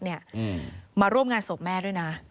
มาร่วมงานศพแม่ด้วยนะ